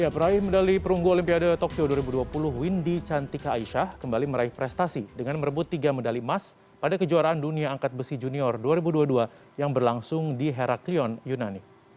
peraih medali perunggu olimpiade tokyo dua ribu dua puluh windy cantika aisyah kembali meraih prestasi dengan merebut tiga medali emas pada kejuaraan dunia angkat besi junior dua ribu dua puluh dua yang berlangsung di heraclion yunani